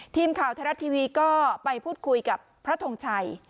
ทีมข่าวไทยรัฐทีวีก็ไปพูดคุยกับพระทงชัย